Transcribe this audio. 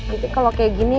jadi kalau kayak gini